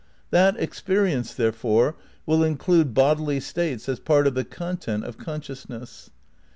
That experience, therefore, will in clude bodily states as part of the content of conscious ness.